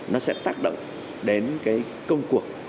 nó sẽ tác động đến công cuộc